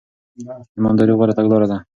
ایمانداري غوره تګلاره ده.